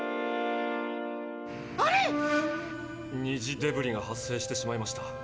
二次デブリが発生してしまいました。